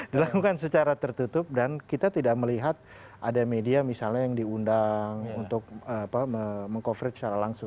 dilakukan secara tertutup dan kita tidak melihat ada media misalnya yang diundang untuk meng coverage secara langsung